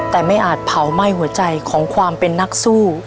แต่ไม่อาจเผาไหม้หัวใจของความเป็นนักสู้